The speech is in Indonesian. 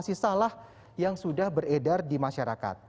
adapun sejumlah informasi yang sudah beredar di masyarakat